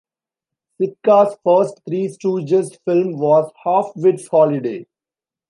Sitka's first Three Stooges' film was "Half-Wits Holiday".